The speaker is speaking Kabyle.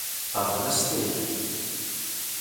Teṛḍel-as-t-id?